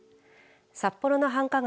札幌の繁華街